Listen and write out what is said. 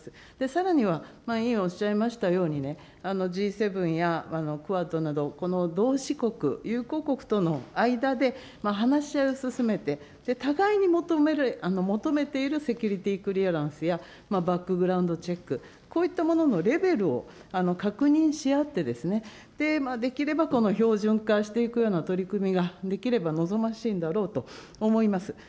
さらには、委員おっしゃいましたように、Ｇ７やＱＵＡＤなど、同志国、友好国との間で話し合いを進めて、互いに求めているセキュリティクリアランスやバックグラウンドチェック、こういったもののレベルを確認し合ってですね、できればこの標準化していくような取り組みができれば望ましいんだろうと思います。